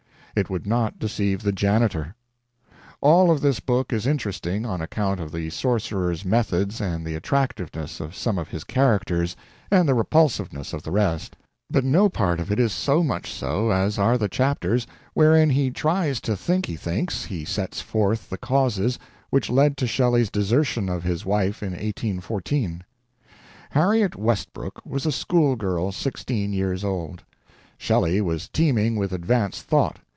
It would not deceive the janitor. All of this book is interesting on account of the sorcerer's methods and the attractiveness of some of his characters and the repulsiveness of the rest, but no part of it is so much so as are the chapters wherein he tries to think he thinks he sets forth the causes which led to Shelley's desertion of his wife in 1814. Harriet Westbrook was a school girl sixteen years old. Shelley was teeming with advanced thought.